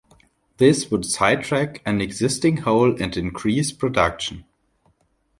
This would sidetrack an existing hole and increase production.